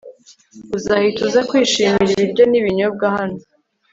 uzahita uza kwishimira ibiryo n'ibinyobwa hano